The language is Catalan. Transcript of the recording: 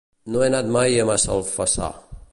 No he anat mai a Massalfassar.